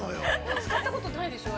◆使ったことないでしょう？